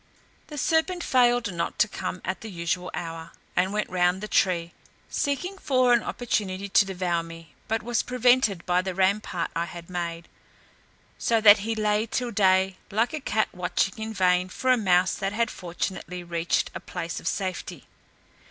The serpent failed not to come at the usual hour, and went round the tree, seeking for an opportunity to devour me, but was prevented by the rampart I had made; so that he lay till day, like a cat watching in vain for a mouse that has fortunately reached a place of safety.